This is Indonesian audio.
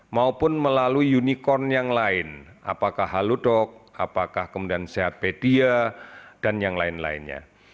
maupun melalui unicorn yang lain apakah haludog apakah kemudian seatpedia dan yang lain lainnya